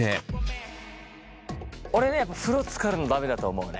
俺ねやっぱ風呂つかるの駄目だと思うね。